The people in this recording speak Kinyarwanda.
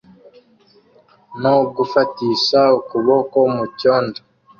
no gufatisha ukuboko mucyondo